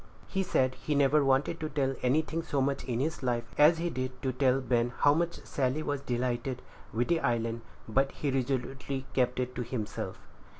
He said he never wanted to tell anything so much in his life, as he did to tell Ben how much Sally was delighted with the island; but he resolutely kept it to himself.